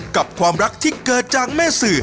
กับความรักที่เกิดจากแม่สื่อ